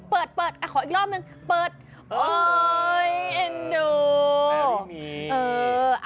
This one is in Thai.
เปิดเปิดอ่ะขออีกรอบหนึ่งเปิดโอ้ยเอ็นดูแม่ไม่มีเออ